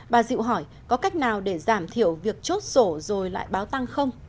bà diệu hỏi có cách nào để giảm thiểu việc chốt sổ rồi lại báo tăng không